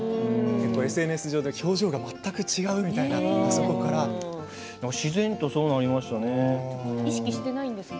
ＳＮＳ上で表情が全く違うというのは自然とそうなりましたね。